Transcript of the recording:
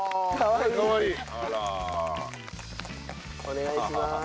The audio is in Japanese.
お願いします。